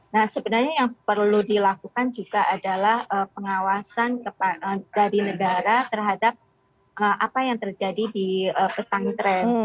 nah sebenarnya yang perlu dilakukan juga adalah pengawasan dari negara terhadap apa yang terjadi di pesantren